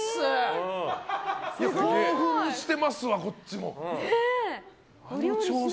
興奮してますわ、こっちも。